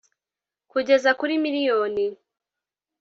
kugeza kuri miliyoni